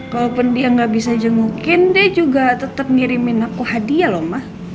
kalaupun dia gak bisa jengukin dia juga tetep ngirimin aku hadiah loh ma